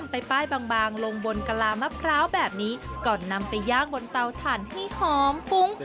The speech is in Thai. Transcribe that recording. ไปย่างบนเตาถ่านให้หอมฟุ้ง